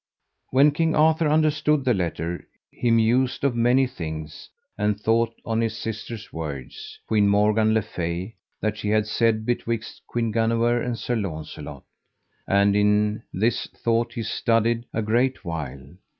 When King Arthur understood the letter, he mused of many things, and thought on his sister's words, Queen Morgan le Fay, that she had said betwixt Queen Guenever and Sir Launcelot. And in this thought he studied a great while.